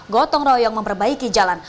gotong royong memperbaiki jalan